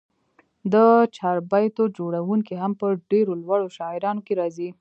د چاربیتو جوړوونکي هم په ډېرو لوړو شاعرانو کښي راځي.